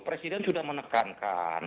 presiden sudah menekankan